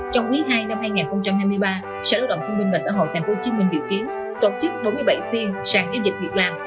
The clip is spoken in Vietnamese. trong quý ii năm hai nghìn hai mươi ba sở lao động thương minh và xã hội tp hcm dự kiến tổ chức bốn mươi bảy phiên sàn giao dịch việc làm